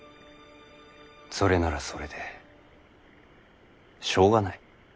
それならそれでしょうがない。